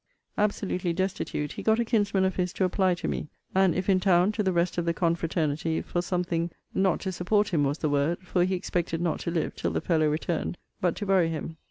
Absolutely destitute, he got a kinsman of his to apply to me, and, if in town, to the rest of the confraternity, for something, not to support him was the word, (for he expected not to live till the fellow returned,) but to bury him.